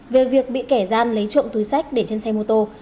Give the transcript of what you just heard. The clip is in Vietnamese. về việc bị kẻ gian lấy trộm túi sách để trên xe mô tô